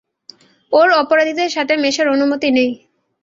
ওর অপরাধীদের সাথে মেশার অনুমতি নেই।